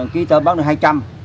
một kg tôm bán được hai trăm linh